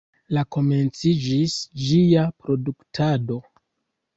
La komenciĝis ĝia produktado.